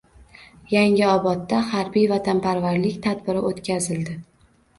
Yangiobodda harbiy vatanparvarlik tadbiri o‘tkazildi